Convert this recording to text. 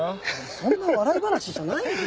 そんな笑い話じゃないですよ。